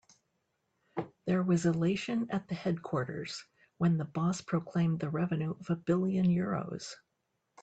There was elation at the headquarters when the boss proclaimed the revenue of a billion euros.